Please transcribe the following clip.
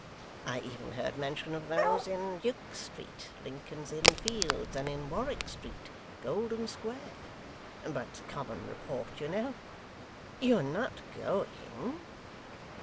I even heard mention of those in Duke Street, Lincoln's Inn Fields, and in Warwick Street, Golden Square; but common report, you know You are not going?